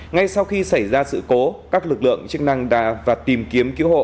ngay sau khi xảy ra sự cố các lực lượng chức năng đã vào tìm kiếm cứu hộ